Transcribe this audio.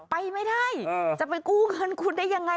ไปไม่ได้จะไปกู้เงินคุณได้ยังไง